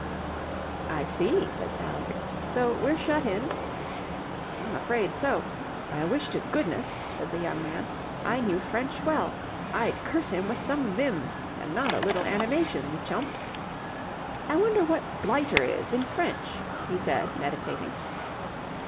"I see," said Sally. "So we're shut in?" "I'm afraid so. I wish to goodness," said the young man, "I knew French well. I'd curse him with some vim and not a little animation, the chump! I wonder what 'blighter' is in French," he said, meditating.